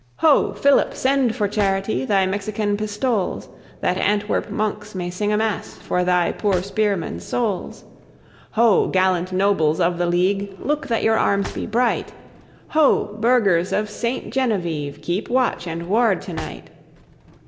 Ho! Philip, send, for charity, thy Mexican pistoles, That Antwerp monks may sing a mass for thy poor spearman's souls. Ho! gallant nobles of the League, look that your arms be bright; Ho! burghers of Saint Genevieve, keep watch and ward to night.